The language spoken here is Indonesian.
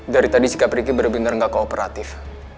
dari tadi sikap ricky bener bener gak kooperatif